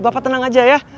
bapak tenang aja ya